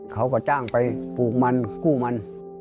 เขาก็จ้างไปปลูกมันกู้มัน